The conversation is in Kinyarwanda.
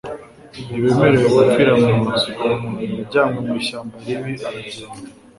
ntibemerewe gupfira mu nzu. yajyanywe mu ishyamba ribi aragenda